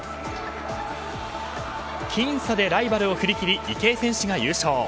僅差でライバルを振り切り池江選手が優勝。